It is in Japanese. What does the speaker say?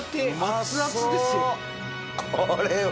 これは！